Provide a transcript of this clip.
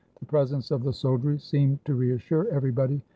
The presence of the soldiery seemed to reassure everybody.